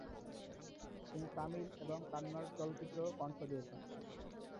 তিনি তামিল এবং কান্নাড় চলচ্চিত্রেও কণ্ঠ দিয়েছেন।